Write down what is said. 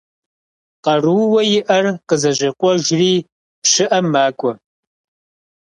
Къарууэ иӀэр къызэщӀекъуэжри, пщыӏэм макӀуэ.